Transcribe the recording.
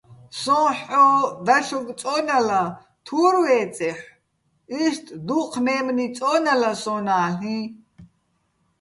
სო́ჼ ჰ̦ო დაჩოკ წო́ნალა, თურ ვე́წეჰ̦ო̆, იშტ დუჴ მე́მნი წო́ნალა სო́ნ-ა́ლ'იჼ.